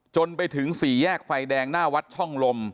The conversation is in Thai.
จนไปถึงสี่แยกไฟแดงหน้าวัดช่องลม